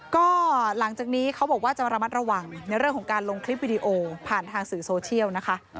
ก็หลังจากนี้เขาบอกว่าจะระมัดระวังในเรื่องของการลงคลิปวิดีโอผ่านทางสื่อโซเชียลนะคะ